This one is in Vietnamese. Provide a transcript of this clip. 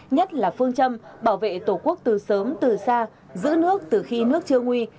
nhất là phương châm bảo vệ tổ quốc từ sớm từ xa giữ nước từ khi nước chưa nguy